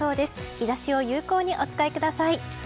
日差しを有効にお使いください。